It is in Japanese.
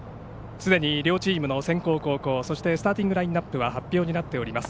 すでに両チームの先攻後攻スターティングラインナップが発表になっています。